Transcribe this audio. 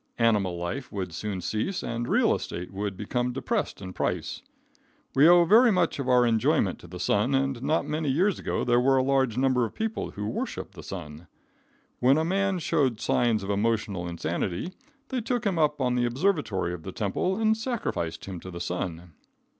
Animal life would soon cease and real estate would become depressed in price. We owe very much of our enjoyment to the sun, and not many years ago there were a large number of people who worshiped the sun. When a man showed signs of emotional insanity, they took him up on the observatory of the temple and sacrificed him to the sun.